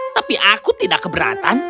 tapi aku tidak keberatan